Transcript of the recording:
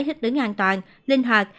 hít đứng an toàn linh hoạt